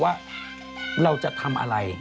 ว่าเราจะทำอะไร